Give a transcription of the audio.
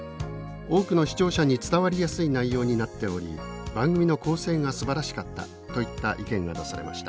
多くの視聴者に伝わりやすい内容になっており番組の構成がすばらしかった」といった意見が出されました。